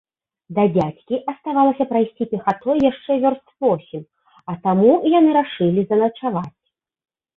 Да дзядзькі аставалася прайсці пехатой яшчэ вёрст восем, а таму яны рашылі заначаваць.